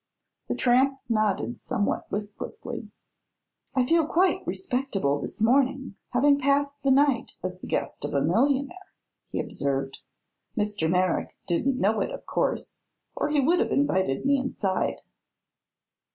The tramp nodded, somewhat listlessly. "I feel quite respectable this morning, having passed the night as the guest of a millionaire," he observed. "Mr. Merrick didn't know it, of course, or he would have invited me inside."